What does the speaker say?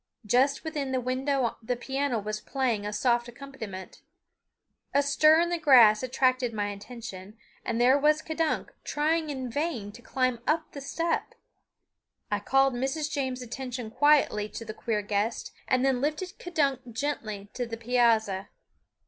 Just within the window the piano was playing a soft accompaniment. A stir in the grass attracted my attention, and there was K'dunk trying in vain to climb up the step. I called Mrs. James' attention quietly to the queer guest, and then lifted K'dunk gently to the piazza.